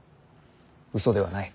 嘘ではない。